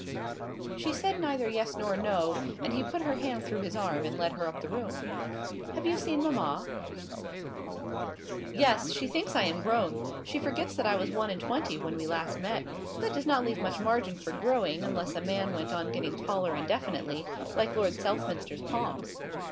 She said neither yes nor no, and he put her hand through his arm and led her up the room. "Have you seen mamma?" "Yes. She thinks I am grown. She forgets that I was one and twenty when we last met. That does not leave much margin for growing, unless a man went on getting taller indefinitely, like Lord Southminster's palms.